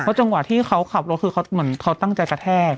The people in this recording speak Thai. เพราะจังหวะที่เขาขับแล้วคือเหมือนเขาตั้งใจกระแทก